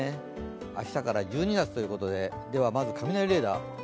明日から１２月ということで、まず雷レーダー。